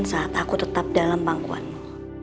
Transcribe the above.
dan saat aku tetap dalam pangkuanmu